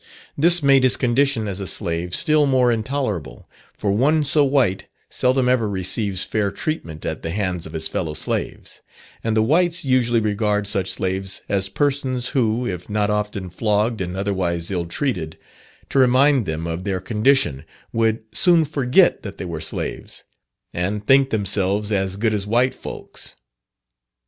This made his condition as a slave still more intolerable; for one so white, seldom ever receives fair treatment at the hands of his fellow slaves; and the whites usually regard such slaves as persons, who, if not often flogged and otherwise ill treated, to remind them of their condition, would soon "forget" that they were slaves, and "think themselves as good as white folks."